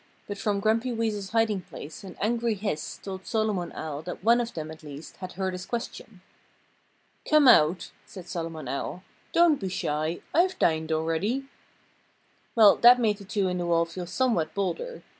But from Grumpy Weasel's hiding place an angry hiss told Solomon Owl that one of them, at least, had heard his question. "Come out!" said Solomon Owl. "Don't be shy! I've dined already." Well, that made the two in the wall feel somewhat bolder.